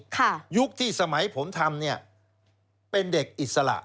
ยุคที่สมัยผมทำเนี่ยเป็นเด็กอิสระ